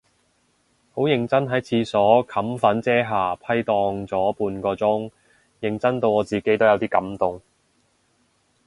好認真喺廁所冚粉遮瑕批蕩咗半個鐘，認真到我自己都有啲感動